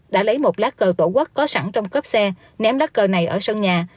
đã lấy một lá cờ tổ quốc có sẵn trong cấp xe ném lá cờ này ở sân nhà